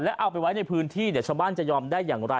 เอาไปไว้ในพื้นที่เดี๋ยวชาวบ้านจะยอมได้อย่างไร